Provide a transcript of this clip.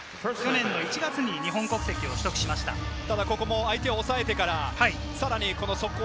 去年の１月に日本国籍を取得しました。